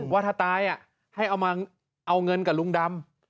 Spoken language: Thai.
ว่าถ้าตายให้เอามาเอาเงินกับลุงดำ